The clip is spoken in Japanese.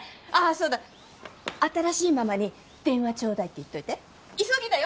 そうだ新しいママに「電話ちょうだい」って言っといて急ぎだよ